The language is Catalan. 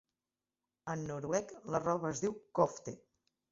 En noruec la roba es diu "kofte".